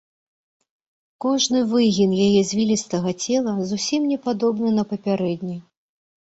Кожны выгін яе звілістага цела зусім не падобны на папярэдні.